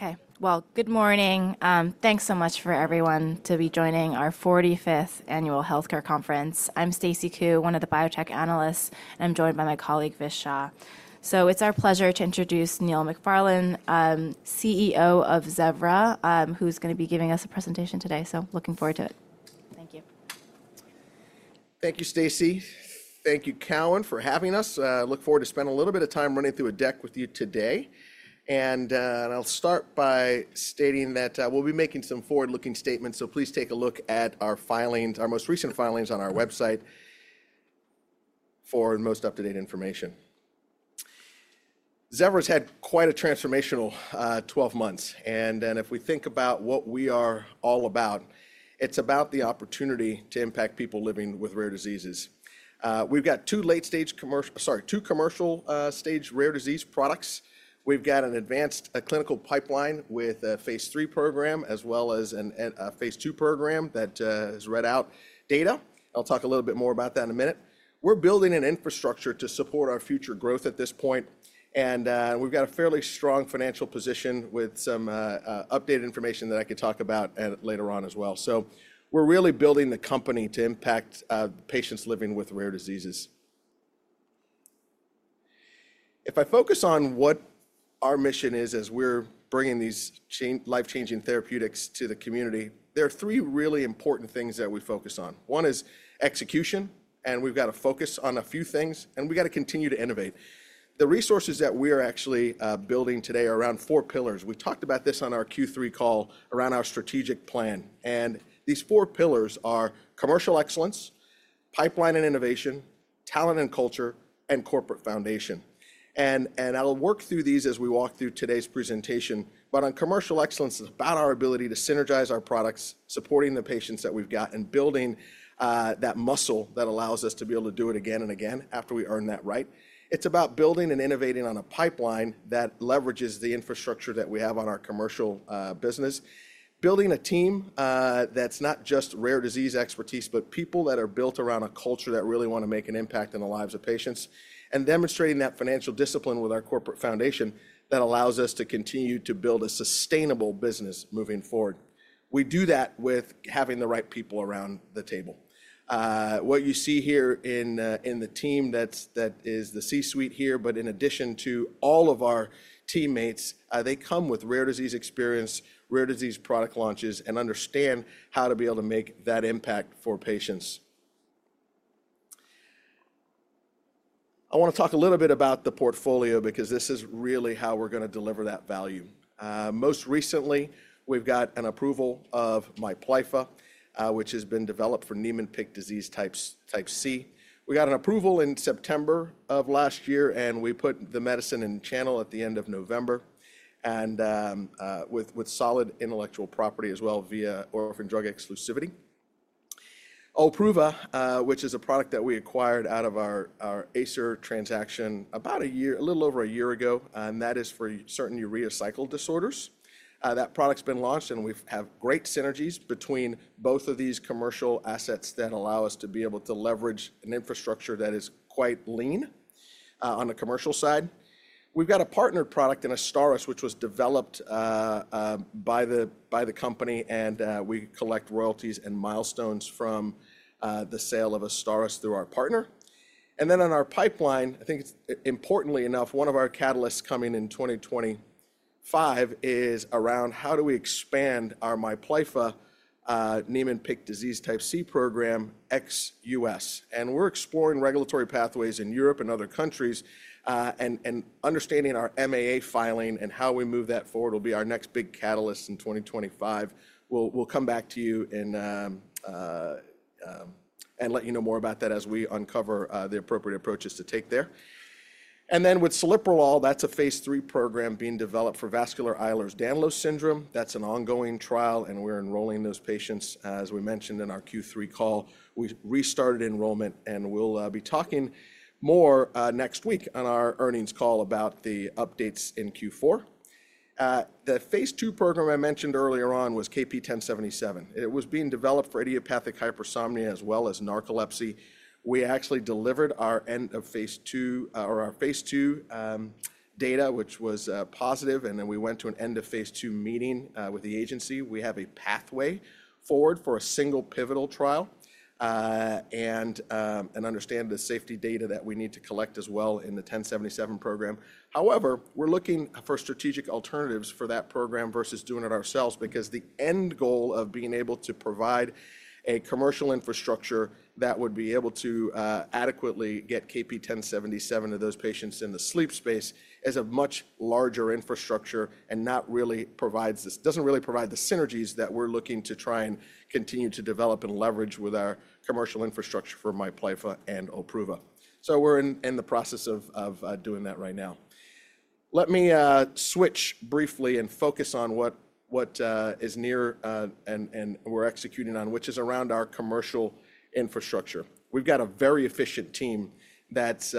Okay, good morning. Thanks so much for everyone to be joining our 45th Annual Healthcare Conference. I'm Stacy Ku, one of the biotech analysts, and I'm joined by my colleague, Vish Shah. It's our pleasure to introduce Neil McFarlane, CEO of Zevra, who's going to be giving us a presentation today. Looking forward to it. Thank you. Thank you, Stacy. Thank you, Cowan, for having us. I look forward to spending a little bit of time running through a deck with you today. I'll start by stating that we'll be making some forward-looking statements, so please take a look at our filings, our most recent filings on our website for the most up-to-date information. Zevra has had quite a transformational 12 months. If we think about what we are all about, it's about the opportunity to impact people living with rare diseases. We've got two commercial-stage rare disease products. We've got an advanced clinical pipeline with a phase III program, as well as a phase II program that has read out data. I'll talk a little bit more about that in a minute. We're building an infrastructure to support our future growth at this point. We have a fairly strong financial position with some updated information that I could talk about later on as well. We are really building the company to impact patients living with rare diseases. If I focus on what our mission is as we are bringing these life-changing therapeutics to the community, there are three really important things that we focus on. One is execution, and we have to focus on a few things, and we have to continue to innovate. The resources that we are actually building today are around four pillars. We talked about this on our Q3 call around our strategic plan. These four pillars are commercial excellence, pipeline and innovation, talent and culture, and corporate foundation. I will work through these as we walk through today's presentation. On commercial excellence, it's about our ability to synergize our products, supporting the patients that we've got, and building that muscle that allows us to be able to do it again and again after we earn that right. It's about building and innovating on a pipeline that leverages the infrastructure that we have on our commercial business, building a team that's not just rare disease expertise, but people that are built around a culture that really want to make an impact in the lives of patients, and demonstrating that financial discipline with our corporate foundation that allows us to continue to build a sustainable business moving forward. We do that with having the right people around the table. What you see here in the team, that is the C-suite here, but in addition to all of our teammates, they come with rare disease experience, rare disease product launches, and understand how to be able to make that impact for patients. I want to talk a little bit about the portfolio because this is really how we're going to deliver that value. Most recently, we've got an approval of MIPLYFFA, which has been developed for Niemann-Pick disease type C. We got an approval in September of last year, and we put the medicine in channel at the end of November, and with solid intellectual property as well via orphan drug exclusivity. OLPRUVA, which is a product that we acquired out of our Acer transaction about a year, a little over a year ago, and that is for certain urea cycle disorders. That product's been launched, and we have great synergies between both of these commercial assets that allow us to be able to leverage an infrastructure that is quite lean on the commercial side. We've got a partner product in AZSTARYS, which was developed by the company, and we collect royalties and milestones from the sale of AZSTARYS through our partner. On our pipeline, I think importantly enough, one of our catalysts coming in 2025 is around how do we expand our MIPLYFFA Niemann-Pick disease type C program XUS. We're exploring regulatory pathways in Europe and other countries, and understanding our MAA filing and how we move that forward will be our next big catalyst in 2025. We'll come back to you and let you know more about that as we uncover the appropriate approaches to take there. With CELIPROLOL, that's a phase III program being developed for Vascular Ehlers-Danlos syndrome. That's an ongoing trial, and we're enrolling those patients. As we mentioned in our Q3 call, we restarted enrollment, and we'll be talking more next week on our earnings call about the updates in Q4. The phase II program I mentioned earlier on was KP1077. It was being developed for idiopathic hypersomnia as well as narcolepsy. We actually delivered our end of phase II or our phase II data, which was positive, and then we went to an end of phase II meeting with the agency. We have a pathway forward for a single pivotal trial and understand the safety data that we need to collect as well in the 1077 program. However, we're looking for strategic alternatives for that program versus doing it ourselves because the end goal of being able to provide a commercial infrastructure that would be able to adequately get KP1077 to those patients in the sleep space is a much larger infrastructure and not really provides this, doesn't really provide the synergies that we're looking to try and continue to develop and leverage with our commercial infrastructure for MIPLYFFA and OLPRUVA. We are in the process of doing that right now. Let me switch briefly and focus on what is near and we're executing on, which is around our commercial infrastructure. We've got a very efficient team that's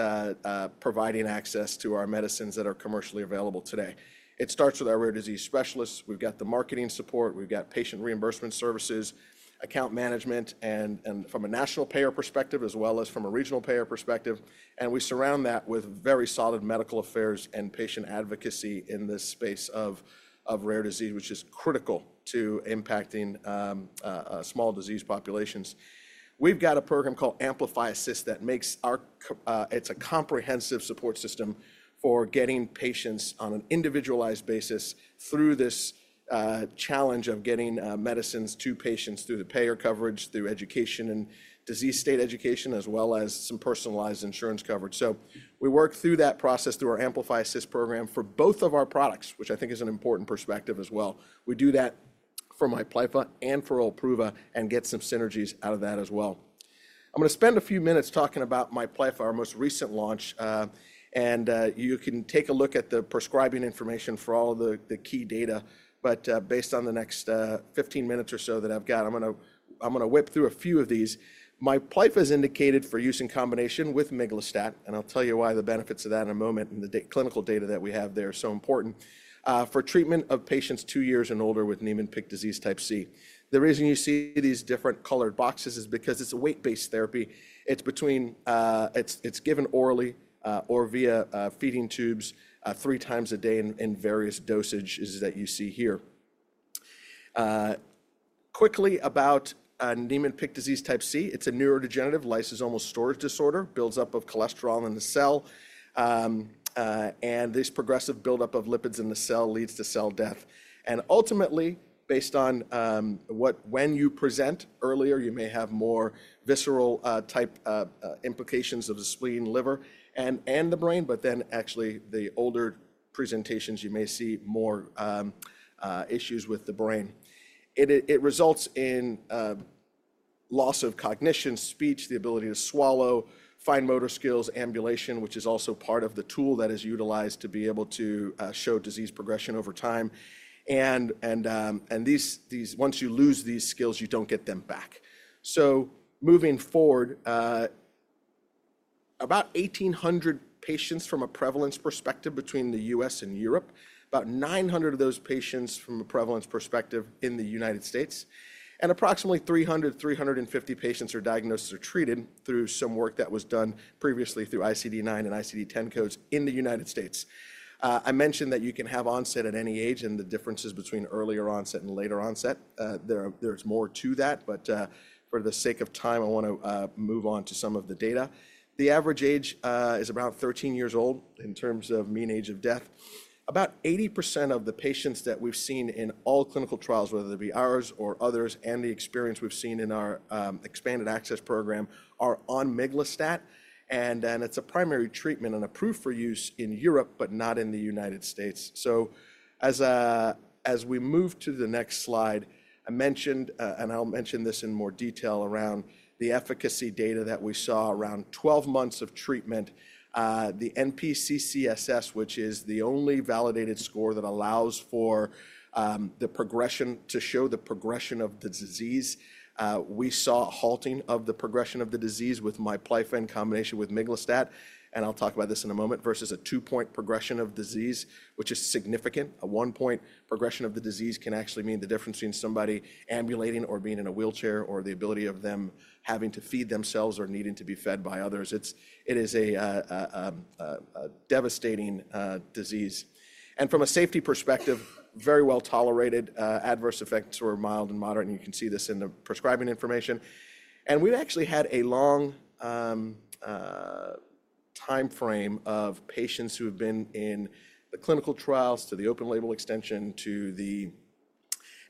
providing access to our medicines that are commercially available today. It starts with our rare disease specialists. We've got the marketing support. We've got patient reimbursement services, account management, and from a national payer perspective, as well as from a regional payer perspective. We surround that with very solid medical affairs and patient advocacy in this space of rare disease, which is critical to impacting small disease populations. We've got a program called Amplify Assist that makes our, it's a comprehensive support system for getting patients on an individualized basis through this challenge of getting medicines to patients through the payer coverage, through education and disease state education, as well as some personalized insurance coverage. We work through that process through our Amplify Assist program for both of our products, which I think is an important perspective as well. We do that for MIPLYFFA and for OLPRUVA and get some synergies out of that as well. I'm going to spend a few minutes talking about MIPLYFFA, our most recent launch, and you can take a look at the prescribing information for all of the key data. Based on the next 15 minutes or so that I've got, I'm going to whip through a few of these. MIPLYFFA is indicated for use in combination with Miglustat, and I'll tell you why the benefits of that in a moment and the clinical data that we have there are so important for treatment of patients two years and older with Niemann-Pick disease type C. The reason you see these different colored boxes is because it's a weight-based therapy. It's given orally or via feeding tubes three times a day in various dosages that you see here. Quickly about Niemann-Pick disease type C, it's a neurodegenerative lysosomal storage disorder, builds up of cholesterol in the cell, and this progressive buildup of lipids in the cell leads to cell death. Ultimately, based on when you present earlier, you may have more visceral-type implications of the spleen, liver, and the brain, but actually the older presentations, you may see more issues with the brain. It results in loss of cognition, speech, the ability to swallow, fine motor skills, ambulation, which is also part of the tool that is utilized to be able to show disease progression over time. Once you lose these skills, you don't get them back. Moving forward, about 1,800 patients from a prevalence perspective between the U.S. and Europe, about 900 of those patients from a prevalence perspective in the United States, and approximately 300-350 patients are diagnosed or treated through some work that was done previously through ICD-9 and ICD-10 codes in the United States. I mentioned that you can have onset at any age and the differences between earlier onset and later onset. There is more to that, but for the sake of time, I want to move on to some of the data. The average age is around 13 years old in terms of mean age of death. About 80% of the patients that we've seen in all clinical trials, whether it be ours or others, and the experience we've seen in our Expanded Access Program are on Miglustat, and it's a primary treatment and approved for use in Europe, but not in the United States. As we move to the next slide, I mentioned, and I'll mention this in more detail around the efficacy data that we saw around 12 months of treatment, the NPCCSS, which is the only validated score that allows for the progression to show the progression of the disease. We saw halting of the progression of the disease with MIPLYFFA in combination with Miglustat, and I'll talk about this in a moment, versus a two-point progression of disease, which is significant. A one-point progression of the disease can actually mean the difference between somebody ambulating or being in a wheelchair or the ability of them having to feed themselves or needing to be fed by others. It is a devastating disease. From a safety perspective, very well tolerated, adverse effects were mild and moderate, and you can see this in the prescribing information. We have actually had a long timeframe of patients who have been in the clinical trials to the open label extension to the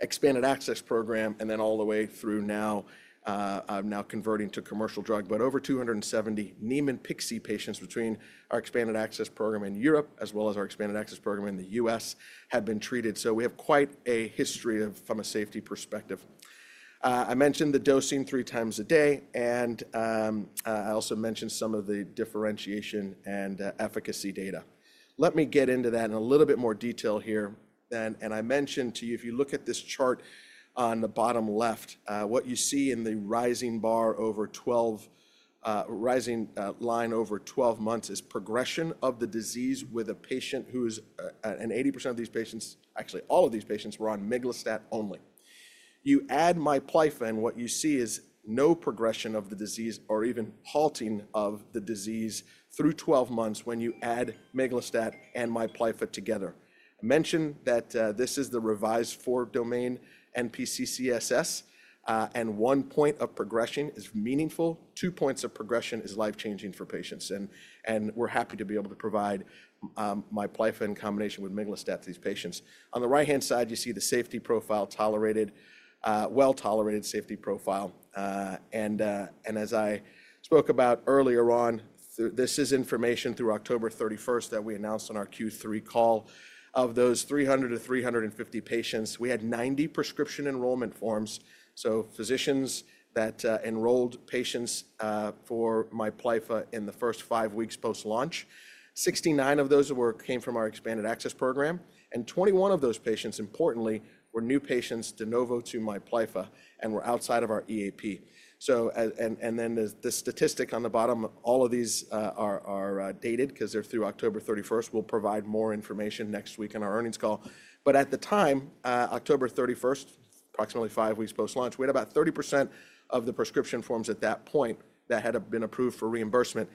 Expanded Access Program, and then all the way through now, now converting to commercial drug. Over 270 Niemann-Pick disease patients between our Expanded Access Program in Europe as well as our Expanded Access Program in the U.S. have been treated. We have quite a history from a safety perspective. I mentioned the dosing three times a day, and I also mentioned some of the differentiation and efficacy data. Let me get into that in a little bit more detail here. I mentioned to you, if you look at this chart on the bottom left, what you see in the rising bar over 12, rising line over 12 months is progression of the disease with a patient who is, and 80% of these patients, actually all of these patients were on Miglustat only. You add MIPLYFFA, and what you see is no progression of the disease or even halting of the disease through 12 months when you add Miglustat and MIPLYFFA together. I mentioned that this is the revised four domain NPCCSS, and one point of progression is meaningful. Two points of progression is life-changing for patients. We're happy to be able to provide MIPLYFFA in combination with Miglustat to these patients. On the right-hand side, you see the safety profile, well-tolerated safety profile. As I spoke about earlier on, this is information through October 31 that we announced on our Q3 call. Of those 300-350 patients, we had 90 prescription enrollment forms. Physicians enrolled patients for MIPLYFFA in the first five weeks post-launch. Sixty-nine of those came from our Expanded Access Program, and 21 of those patients, importantly, were new patients de novo to MIPLYFFA and were outside of our EAP. The statistic on the bottom, all of these are dated because they're through October 31. We'll provide more information next week in our earnings call. At the time, October 31, approximately five weeks post-launch, we had about 30% of the prescription forms at that point that had been approved for reimbursement.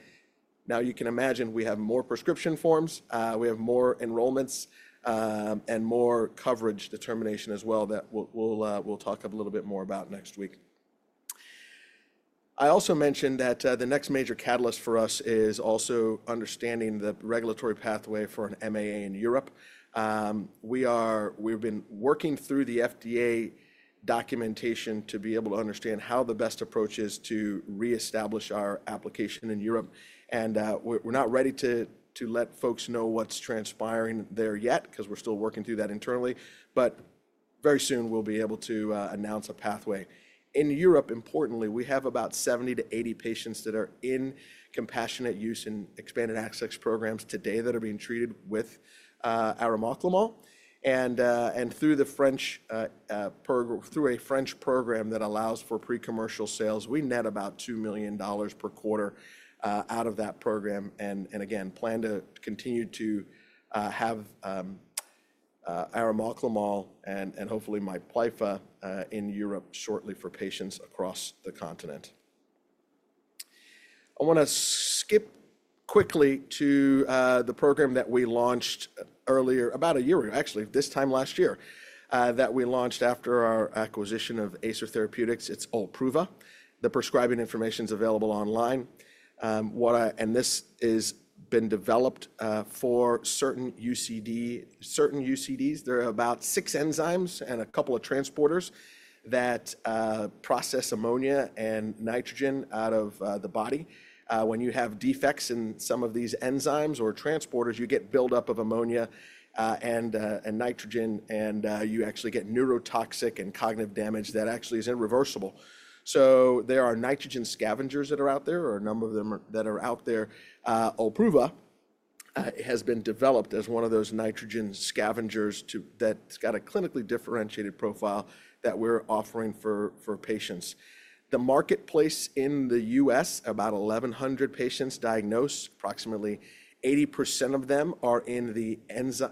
You can imagine we have more prescription forms. We have more enrollments and more coverage determination as well that we'll talk a little bit more about next week. I also mentioned that the next major catalyst for us is also understanding the regulatory pathway for an MAA in Europe. We've been working through the FDA documentation to be able to understand how the best approach is to reestablish our application in Europe. We're not ready to let folks know what's transpiring there yet because we're still working through that internally. Very soon, we'll be able to announce a pathway. In Europe, importantly, we have about 70-80 patients that are in compassionate use in Expanded Access Programs today that are being treated with arimoclomol. Through the French program that allows for pre-commercial sales, we net about $2 million per quarter out of that program. We plan to continue to have arimoclomol and hopefully MIPLYFFA in Europe shortly for patients across the continent. I want to skip quickly to the program that we launched earlier, about a year ago, actually, this time last year that we launched after acquisition of Acer Therapeutics. it's OLPRUVA. The prescribing information is available online. This has been developed for certain UCDs. There are about six enzymes and a couple of transporters that process ammonia and nitrogen out of the body. When you have defects in some of these enzymes or transporters, you get buildup of ammonia and nitrogen, and you actually get neurotoxic and cognitive damage that actually is irreversible. There are nitrogen scavengers that are out there, or a number of them that are out there. OLPRUVA has been developed as one of those nitrogen scavengers that's got a clinically differentiated profile that we're offering for patients. The marketplace in the U.S., about 1,100 patients diagnosed, approximately 80% of them are in the enzymes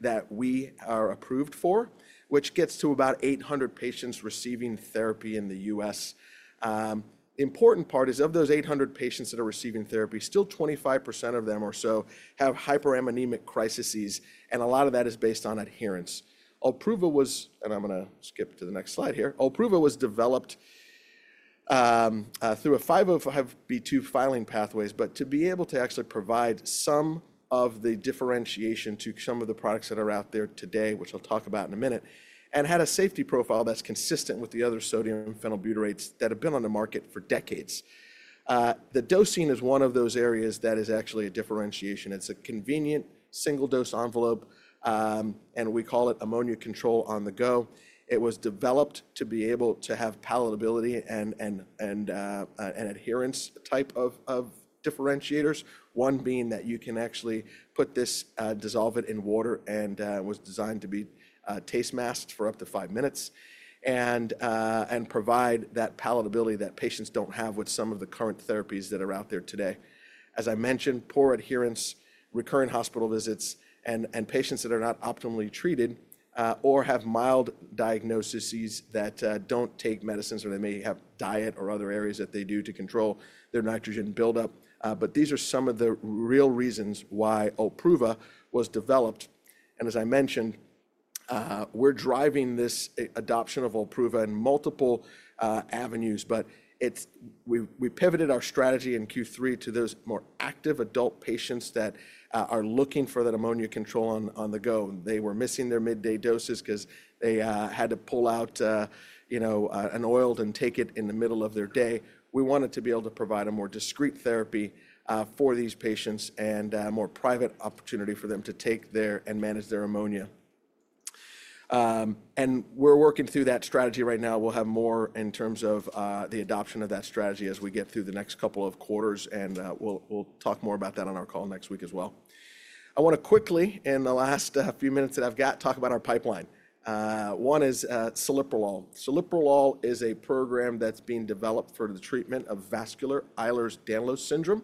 that we are approved for, which gets to about 800 patients receiving therapy in the U.S. The important part is of those 800 patients that are receiving therapy, still 25% of them or so have hyperammonemic crises, and a lot of that is based on adherence. OLPRUVA was, and I'm going to skip to the next slide here. OLPRUVA was developed through a 505B2 filing pathway, but to be able to actually provide some of the differentiation to some of the products that are out there today, which I'll talk about in a minute, and had a safety profile that's consistent with the other sodium phenylbutyrates that have been on the market for decades. The dosing is one of those areas that is actually a differentiation. It's a convenient single-dose envelope, and we call it ammonia control on the go. It was developed to be able to have palatability and adherence type of differentiators, one being that you can actually put this, dissolve it in water, and was designed to be taste masked for up to five minutes and provide that palatability that patients don't have with some of the current therapies that are out there today. As I mentioned, poor adherence, recurrent hospital visits, and patients that are not optimally treated or have mild diagnoses that do not take medicines, or they may have diet or other areas that they do to control their nitrogen buildup. These are some of the real reasons why OLPRUVA was developed. As I mentioned, we are driving this adoption of OLPRUVA in multiple avenues, but we pivoted our strategy in Q3 to those more active adult patients that are looking for that ammonia control on the go. They were missing their midday doses because they had to pull out an OLPRUVA and take it in the middle of their day. We wanted to be able to provide a more discreet therapy for these patients and a more private opportunity for them to take their and manage their ammonia. We are working through that strategy right now. We'll have more in terms of the adoption of that strategy as we get through the next couple of quarters, and we'll talk more about that on our call next week as well. I want to quickly, in the last few minutes that I've got, talk about our pipeline. One is CELIPROLOL. CELIPROLOL is a program that's being developed for the treatment of Vascular Ehlers-Danlos syndrome,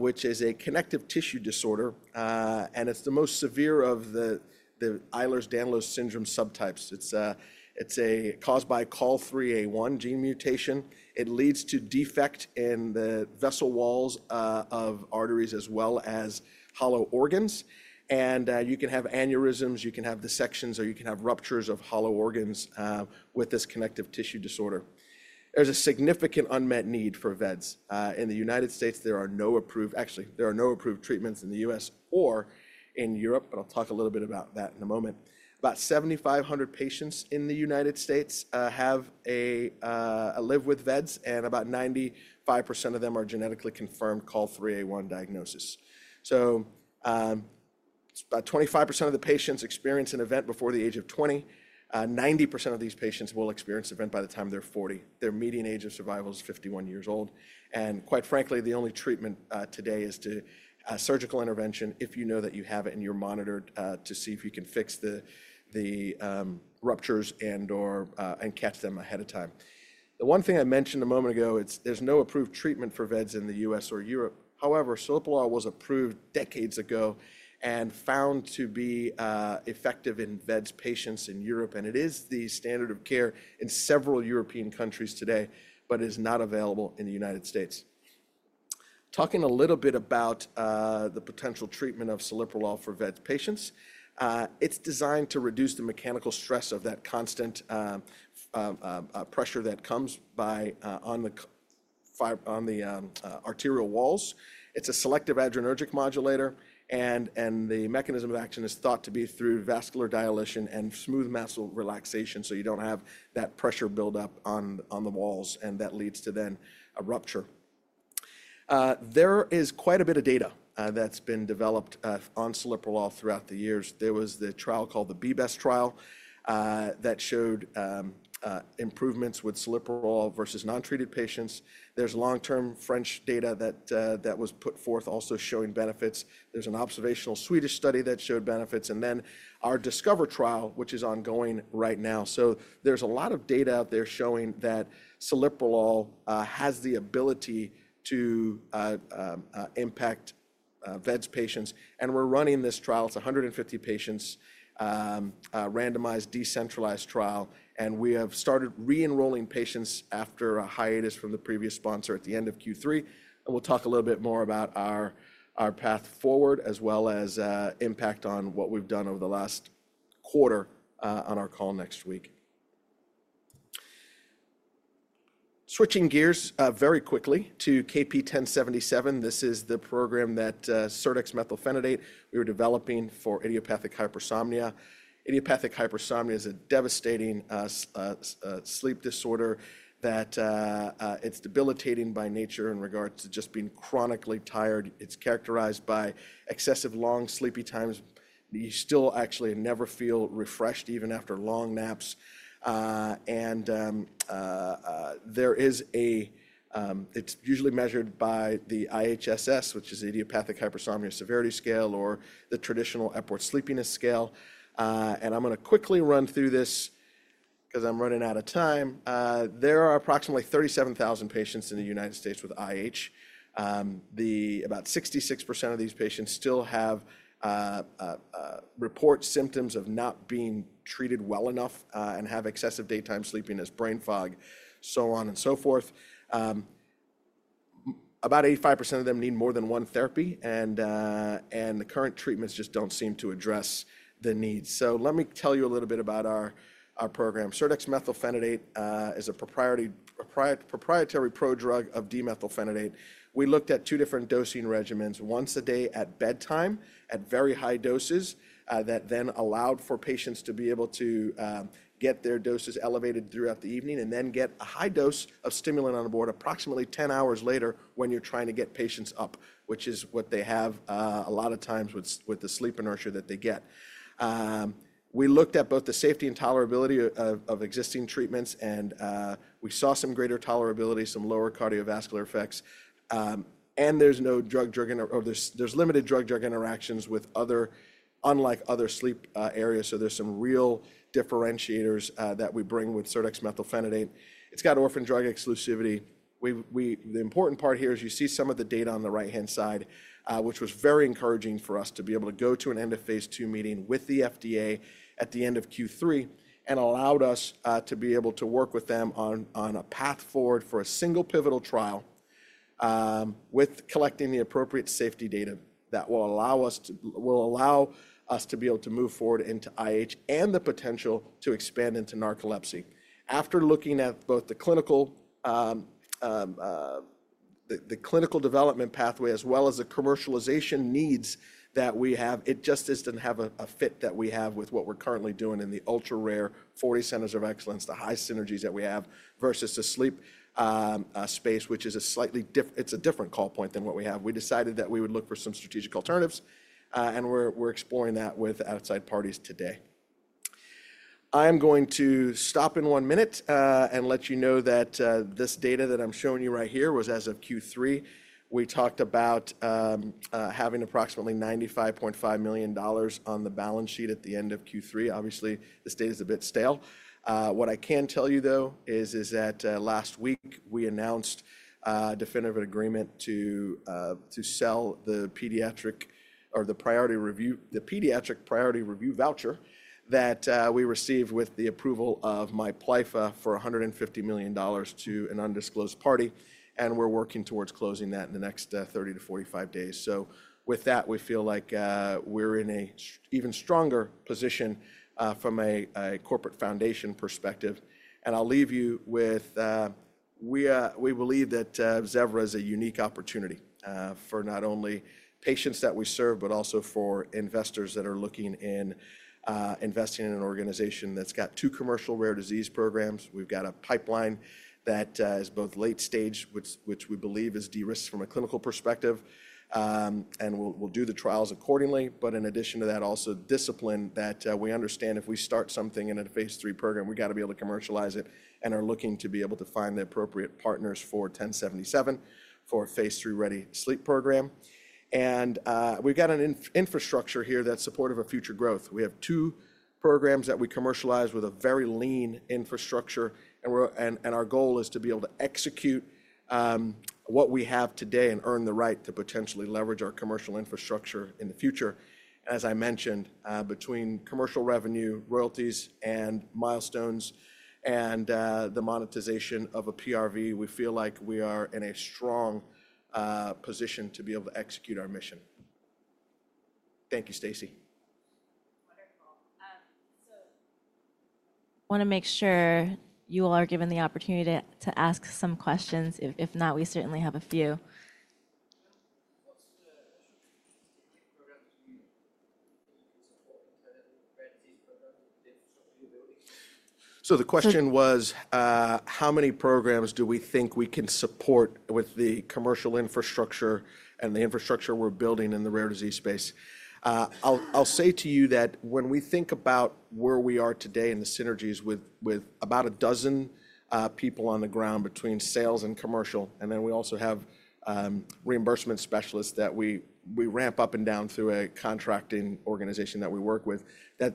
which is a connective tissue disorder, and it's the most severe of the Ehlers-Danlos syndrome subtypes. It's caused by a COL3A1 gene mutation. It leads to defect in the vessel walls of arteries as well as hollow organs. You can have aneurysms, you can have dissections, or you can have ruptures of hollow organs with this connective tissue disorder. There's a significant unmet need for vEDS. In the United States, there are no approved, actually, there are no approved treatments in the U.S. or in Europe, but I'll talk a little bit about that in a moment. About 7,500 patients in the United States live with vEDS, and about 95% of them are genetically confirmed COL3A1 diagnosis. So about 25% of the patients experience an event before the age of 20. 90% of these patients will experience an event by the time they're 40. Their median age of survival is 51 years old. Quite frankly, the only treatment today is surgical intervention if you know that you have it and you're monitored to see if you can fix the ruptures and catch them ahead of time. The one thing I mentioned a moment ago, there's no approved treatment for vEDS in the U.S. or Europe. However, CELIPROLOL was approved decades ago and found to be effective in vEDS patients in Europe. It is the standard of care in several European countries today, but it is not available in the United States. Talking a little bit about the potential treatment of CELIPROLOL for vEDS patients, it's designed to reduce the mechanical stress of that constant pressure that comes on the arterial walls. It's a selective adrenergic modulator, and the mechanism of action is thought to be through Vascular dilation and smooth muscle relaxation so you don't have that pressure buildup on the walls, and that leads to then a rupture. There is quite a bit of data that's been developed on CELIPROLOL throughout the years. There was the trial called the BEBES trial that showed improvements with CELIPROLOL versus non-treated patients. There's long-term French data that was put forth also showing benefits. There's an observational Swedish study that showed benefits, and then our DiSCOVER trial, which is ongoing right now. There is a lot of data out there showing that CELIPROLOL has the ability to impact vEDS patients. We are running this trial. It is a 150-patient randomized decentralized trial, and we have started re-enrolling patients after a hiatus from the previous sponsor at the end of Q3. We will talk a little bit more about our path forward as well as impact on what we have done over the last quarter on our call next week. Switching gears very quickly to KP1077. This is the program that serdexmethylphenidate we were developing for idiopathic hypersomnia. Idiopathic hypersomnia is a devastating sleep disorder that is debilitating by nature in regards to just being chronically tired. It is characterized by excessive long sleepy times. You still actually never feel refreshed even after long naps. It is usually measured by the IHSS, which is the Idiopathic Hypersomnia Severity Scale or the traditional Epworth Sleepiness Scale. I am going to quickly run through this because I am running out of time. There are approximately 37,000 patients in the United States with IH. About 66% of these patients still report symptoms of not being treated well enough and have excessive daytime sleepiness, brain fog, so on and so forth. About 85% of them need more than one therapy, and the current treatments just do not seem to address the needs. Let me tell you a little bit about our program. Serdexmethylphenidate is a proprietary prodrug of D-methylphenidate. We looked at two different dosing regimens, once a day at bedtime at very high doses that then allowed for patients to be able to get their doses elevated throughout the evening and then get a high dose of stimulant on board approximately 10 hours later when you're trying to get patients up, which is what they have a lot of times with the sleep inertia that they get. We looked at both the safety and tolerability of existing treatments, and we saw some greater tolerability, some lower cardioVascular effects. There is no drug-drug or there's limited drug-drug interactions with other, unlike other sleep areas. There are some real differentiators that we bring with serdexmethylphenidate. It's got orphan drug exclusivity. The important part here is you see some of the data on the right-hand side, which was very encouraging for us to be able to go to an end-of-phase II meeting with the FDA at the end of Q3 and allowed us to be able to work with them on a path forward for a single pivotal trial with collecting the appropriate safety data that will allow us to be able to move forward into IH and the potential to expand into narcolepsy. After looking at both the clinical development pathway as well as the commercialization needs that we have, it just doesn't have a fit that we have with what we're currently doing in the ultra-rare 40 centers of excellence, the high synergies that we have versus the sleep space, which is a slightly different, it's a different call point than what we have. We decided that we would look for some strategic alternatives, and we're exploring that with outside parties today. I am going to stop in one minute and let you know that this data that I'm showing you right here was as of Q3. We talked about having approximately $95.5 million on the balance sheet at the end of Q3. Obviously, this data is a bit stale. What I can tell you, though, is that last week we announced a definitive agreement to sell the pediatric or the priority review, the pediatric priority review voucher that we received with the approval of MIPLYFFA for $150 million to an undisclosed party. We're working towards closing that in the next 30-45 days. With that, we feel like we're in an even stronger position from a corporate foundation perspective. I'll leave you with, we believe that Zevra is a unique opportunity for not only patients that we serve, but also for investors that are looking in investing in an organization that's got two commercial rare disease programs. We've got a pipeline that is both late stage, which we believe is de-risked from a clinical perspective, and we'll do the trials accordingly. In addition to that, also discipline that we understand if we start something in a phase III program, we've got to be able to commercialize it and are looking to be able to find the appropriate partners for 1077 for a phase III ready sleep program. We've got an infrastructure here that's supportive of future growth. We have two programs that we commercialize with a very lean infrastructure, and our goal is to be able to execute what we have today and earn the right to potentially leverage our commercial infrastructure in the future. As I mentioned, between commercial revenue, royalties, and milestones and the monetization of a PRV, we feel like we are in a strong position to be able to execute our mission. Thank you, Stacy. Wonderful. I want to make sure you all are given the opportunity to ask some questions. If not, we certainly have a few. What's the support for the infrastructure you're building? The question was, how many programs do we think we can support with the commercial infrastructure and the infrastructure we're building in the rare disease space? I'll say to you that when we think about where we are today and the synergies with about a dozen people on the ground between sales and commercial, and then we also have reimbursement specialists that we ramp up and down through a contracting organization that we work with, that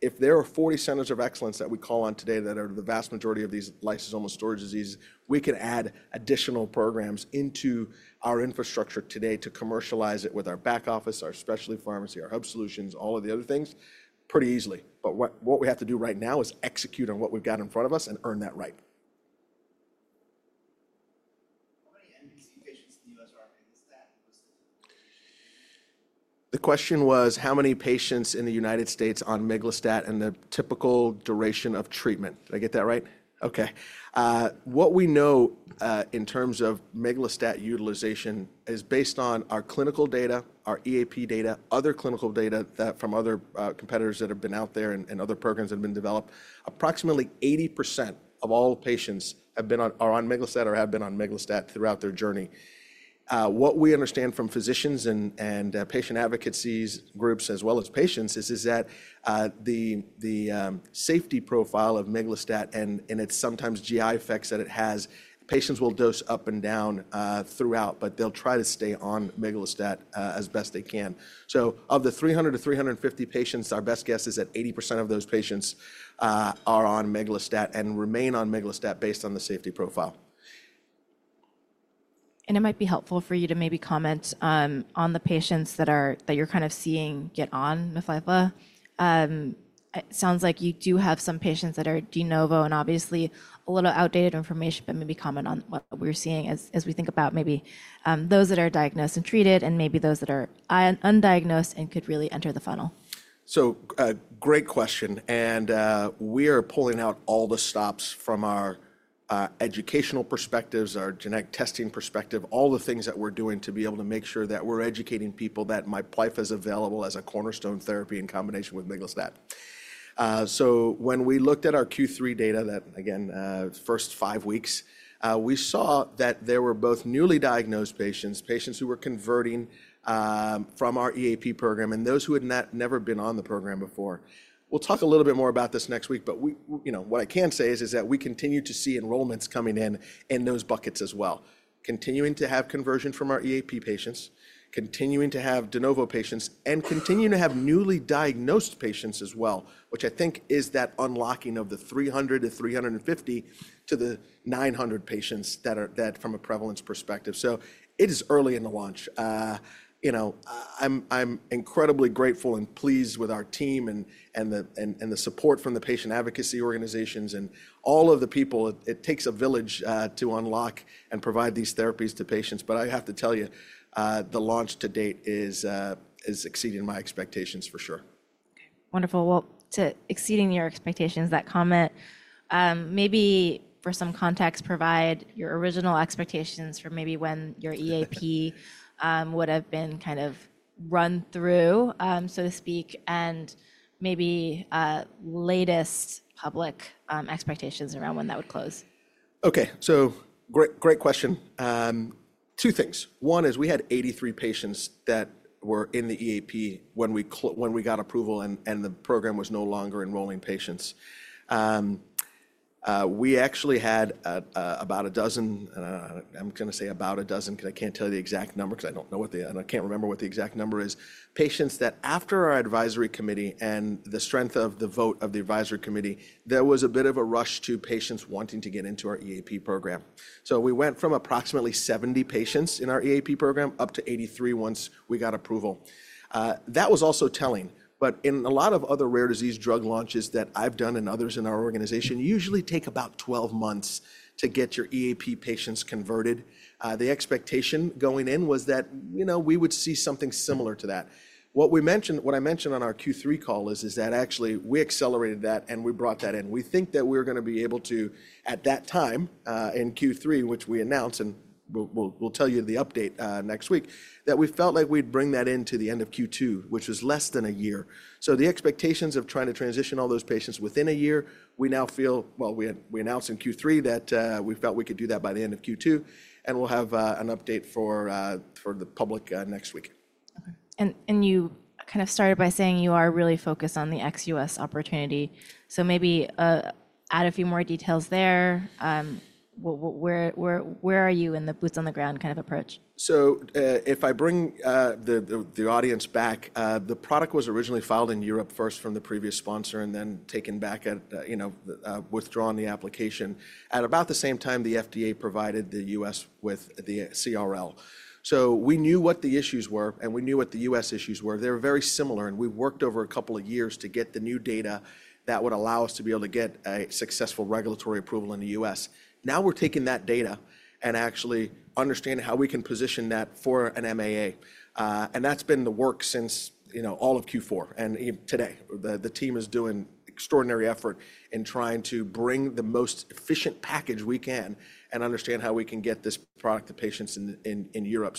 if there are 40 centers of excellence that we call on today that are the vast majority of these lysosomal storage diseases, we can add additional programs into our infrastructure today to commercialize it with our back office, our specialty pharmacy, our hub solutions, all of the other things pretty easily. What we have to do right now is execute on what we've got in front of us and earn that right. How many NPC patients in the U.S. are on miglustat? The question was how many patients in the United States on miglustat and the typical duration of treatment. Did I get that right? Okay. What we know in terms of miglustat utilization is based on our clinical data, our EAP data, other clinical data from other competitors that have been out there and other programs that have been developed. Approximately 80% of all patients have been on or are on miglustat or have been on miglustat throughout their journey. What we understand from physicians and patient advocacy groups as well as patients is that the safety profile of miglustat and its sometimes GI effects that it has, patients will dose up and down throughout, but they'll try to stay on miglustat as best they can. Of the 300-350 patients, our best guess is that 80% of those patients are on miglustat and remain on miglustat based on the safety profile. It might be helpful for you to maybe comment on the patients that you're kind of seeing get on MIPLYFFA. It sounds like you do have some patients that are de novo and obviously a little outdated information, but maybe comment on what we're seeing as we think about maybe those that are diagnosed and treated and maybe those that are undiagnosed and could really enter the funnel. Great question. We are pulling out all the stops from our educational perspectives, our genetic testing perspective, all the things that we're doing to be able to make sure that we're educating people that MIPLYFFA is available as a cornerstone therapy in combination with miglustat. When we looked at our Q3 data, that again, first five weeks, we saw that there were both newly diagnosed patients, patients who were converting from our EAP program, and those who had never been on the program before. We'll talk a little bit more about this next week, but what I can say is that we continue to see enrollments coming in in those buckets as well. Continuing to have conversion from our EAP patients, continuing to have de novo patients, and continuing to have newly diagnosed patients as well, which I think is that unlocking of the 300-350 to the 900 patients that are from a prevalence perspective. It is early in the launch. I'm incredibly grateful and pleased with our team and the support from the patient advocacy organizations and all of the people. It takes a village to unlock and provide these therapies to patients. I have to tell you, the launch to date is exceeding my expectations for sure. Wonderful. To exceeding your expectations, that comment, maybe for some context, provide your original expectations for maybe when your EAP would have been kind of run through, so to speak, and maybe latest public expectations around when that would close. Okay. Great question. Two things. One is we had 83 patients that were in the EAP when we got approval and the program was no longer enrolling patients. We actually had about a dozen, I'm going to say about a dozen, because I can't tell you the exact number because I don't know what the, and I can't remember what the exact number is, patients that after our advisory committee and the strength of the vote of the advisory committee, there was a bit of a rush to patients wanting to get into our EAP program. We went from approximately 70 patients in our EAP program up to 83 once we got approval. That was also telling. In a lot of other rare disease drug launches that I've done and others in our organization usually take about 12 months to get your EAP patients converted. The expectation going in was that we would see something similar to that. What I mentioned on our Q3 call is that actually we accelerated that and we brought that in. We think that we're going to be able to, at that time in Q3, which we announced, and we'll tell you the update next week, that we felt like we'd bring that into the end of Q2, which was less than a year. The expectations of trying to transition all those patients within a year, we now feel, we announced in Q3 that we felt we could do that by the end of Q2, and we'll have an update for the public next week. You kind of started by saying you are really focused on the XUS opportunity. Maybe add a few more details there. Where are you in the boots on the ground kind of approach? If I bring the audience back, the product was originally filed in Europe first from the previous sponsor and then taken back at withdrawing the application at about the same time the FDA provided the U.S. with the CRL. We knew what the issues were and we knew what the U.S. issues were. They were very similar, and we worked over a couple of years to get the new data that would allow us to be able to get a successful regulatory approval in the U.S. Now we're taking that data and actually understanding how we can position that for an MAA. That has been the work since all of Q4. Today, the team is doing extraordinary effort in trying to bring the most efficient package we can and understand how we can get this product to patients in Europe.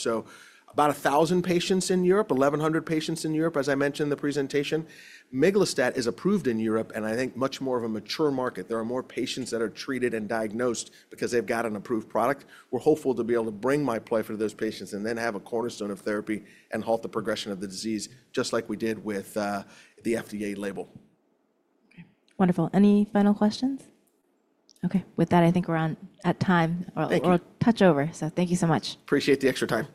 About 1,000 patients in Europe, 1,100 patients in Europe, as I mentioned in the presentation. Miglustat is approved in Europe, and I think much more of a mature market. There are more patients that are treated and diagnosed because they've got an approved product. We're hopeful to be able to bring MIPLYFFA to those patients and then have a cornerstone of therapy and halt the progression of the disease just like we did with the FDA label. Wonderful. Any final questions? Okay. With that, I think we're at time or a touch over. Thank you so much. Appreciate the extra time.